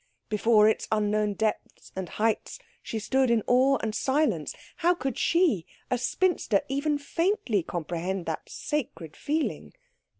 Before its unknown depths and heights she stood in awe and silence. How could she, a spinster, even faintly comprehend that sacred feeling?